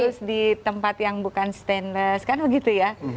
terus di tempat yang bukan stainless kan begitu ya